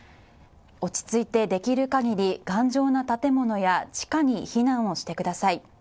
落ち着いてできるかぎり頑丈な建物や地下に避難をしてください。